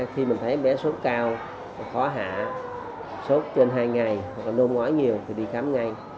khi mình thấy em bé sốt cao khó hạ sốt trên hai ngày nôn ngói nhiều thì đi khám ngay